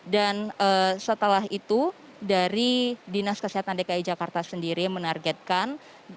dan setelah itu dari dinas kesehatan dki jakarta sendiri menargetkan